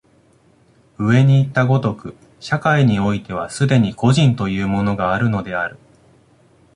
上にいった如く、社会においては既に個人というものがあるのである。